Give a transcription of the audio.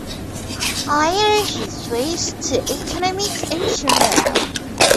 Later he switched to economics in general.